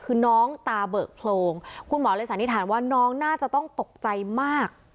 คือน้องตาเบิกโพรงคุณหมอเลยสันนิษฐานว่าน้องน่าจะต้องตกใจมาก